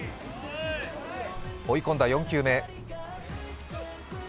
追い込んだ４球目。